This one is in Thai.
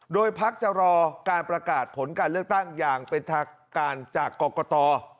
โดยพักจะรอการประกาศผลการเลือกตั้งอย่างเป็นทางการจากกรกต